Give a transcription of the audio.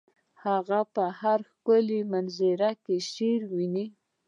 هغه په هر ښکلي منظر کې شعر ویني